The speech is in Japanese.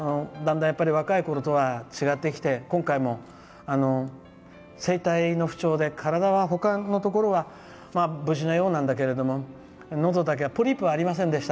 だんだん若いころとは違ってきて今回も、声帯の不調で体のほかのところは無事のようなんだけどのどだけはポリープはありませんでした。